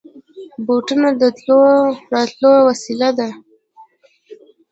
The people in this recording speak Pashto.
بوټونه د تلو راتلو وسېله ده.